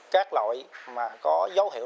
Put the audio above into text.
các loại mà có dấu hiệu